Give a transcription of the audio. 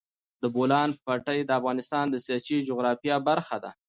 د بولان پټي د افغانستان د سیاسي جغرافیه برخه ده.